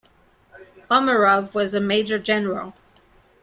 Omarov was a major general.